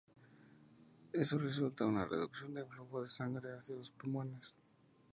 Eso resulta en una reducción del flujo de sangre hacia los pulmones.